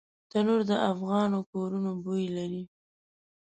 تنور د افغانو کورونو بوی لري